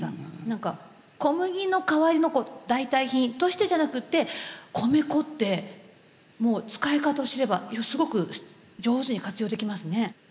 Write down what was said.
何か小麦の代わりの代替品としてじゃなくって米粉ってもう使い方を知ればすごく上手に活用できますね。